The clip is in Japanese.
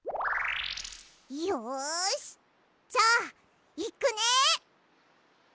よしじゃあいくね。